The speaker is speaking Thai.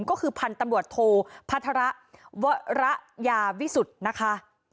ก็คือพันธุ์ตำรวจโทพัฒระวระยาวิสุทธิ์นะคะ